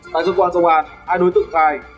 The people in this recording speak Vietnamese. tại dân quản dông an hai đối tượng khai